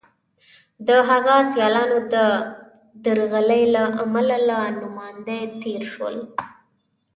د هغه سیالانو د درغلۍ له امله له نوماندۍ تېر شول.